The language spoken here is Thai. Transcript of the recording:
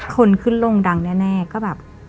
คนขึ้นลงดังแน่ก็แบบ